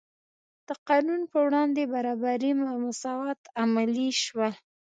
د قانون په وړاندې برابري او مساوات عملي شول.